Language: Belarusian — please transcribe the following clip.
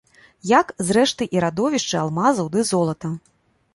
Як, зрэшты, і радовішчы алмазаў ды золата.